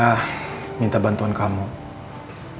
untuk cari informasi tentang dia di rumah sakit